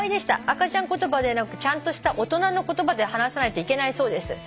「赤ちゃん言葉でなくちゃんとした大人の言葉で話さないといけないそうです」